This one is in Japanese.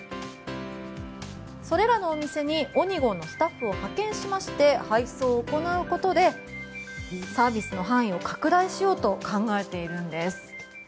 それらのお店にＯｎｉＧＯのスタッフを派遣しまして配送を行うことでサービスの範囲を拡大しようと考えているんです。